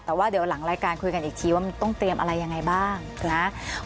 แต่ว่าเดี๋ยวหลังรายการคุยกันอีกทีว่ามันต้องเตรียมอะไรยังไงบ้างนะครับ